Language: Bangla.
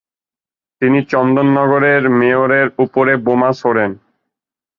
তিনি চন্দননগরের মেয়রের উপরে বোমা ছোঁড়েন ।